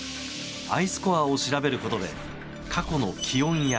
アイスコアを調べることで過去の気温や